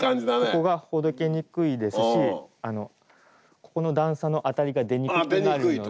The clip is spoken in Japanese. ここがほどけにくいですしここの段差のあたりが出にくくなるので。